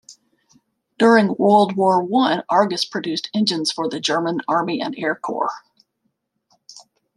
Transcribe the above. During World War One Argus produced engines for the German army and air corps.